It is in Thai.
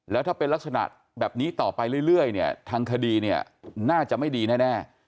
แล้วถ้าเป็นลักษณะแบบนี้ต่อไปเรื่อยเนี่ยทางคดีเนี่ยน่าจะไม่ดีแน่